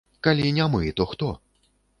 Калі не мы, то хто?